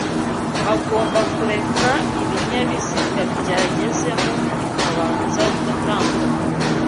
agomba kureka ibinyabiziga byagezemo bikabanza bigatambuka